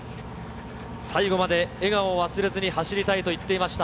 最後まで笑顔を忘れずに走りたいと言っていました。